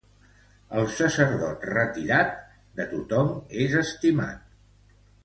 El sacerdot retirat, de tothom és estimat.